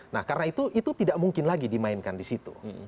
nah karena itu tidak mungkin lagi dimainkan disitu